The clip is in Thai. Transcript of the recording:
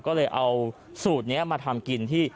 ก็เลยเอาสูตรนี้มาทำกินที่